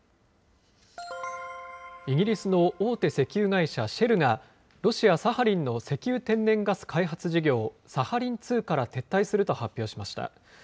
イギリスの大手石油会社、シェルが、ロシア・サハリンの石油・天然ガス開発事業、サハリン２から撤退すると発表しました。